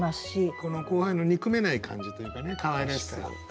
この後輩の憎めない感じというかねかわいらしさ。